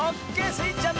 スイちゃん